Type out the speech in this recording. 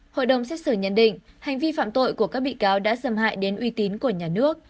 hội đồng xét xử nhận định hành vi phạm tội của các bị cáo đã xâm hại đến uy tín của nhà nước